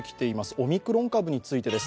オミクロン株についてです。